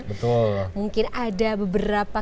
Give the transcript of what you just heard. betul mungkin ada beberapa